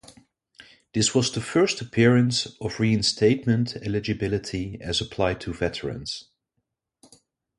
This was the first appearance of reinstatement eligibility as applied to veterans.